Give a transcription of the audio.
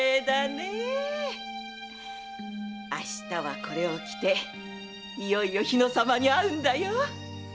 明日はこれを着ていよいよ日野様に会うんだよ。